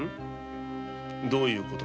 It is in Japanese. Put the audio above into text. どういう事だ？